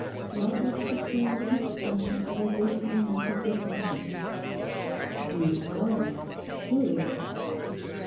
Lawford sustained an expression of abysmal mystification. 'Do tell me—who?